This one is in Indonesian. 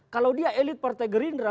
kalau dia elit partai gerindra